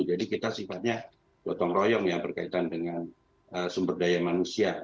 jadi kita sifatnya gotong royong ya berkaitan dengan sumber daya manusia